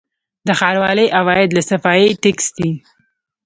د ښاروالۍ عواید له صفايي ټکس دي